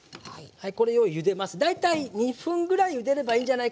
はい。